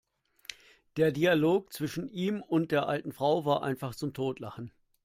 Der Dialog zwischen ihm und der alten Frau war einfach zum Totlachen!